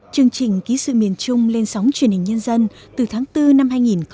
chương trình ký sự miền trung lên sóng truyền hình nhân dân từ tháng bốn năm hai nghìn một mươi chín